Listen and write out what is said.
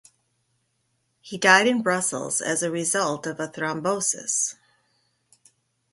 He died in Brussels as a result of a thrombosis.